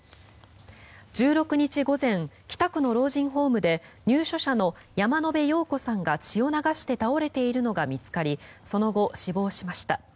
１６日午前、北区の老人ホームで入所者の山野辺陽子さんが血を流して倒れているのが見つかりその後、死亡しました。